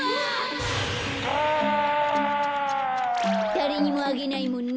だれにもあげないもんね。